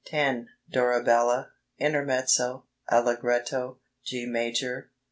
"Dorabella." Intermezzo, Allegretto, G major, 3 4.